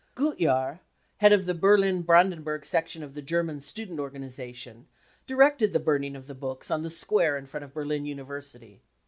Gutjahr, head of the Berlin Brandenburg section of the German students' organisation, directed the burning of the books on the square in front of Berlin University.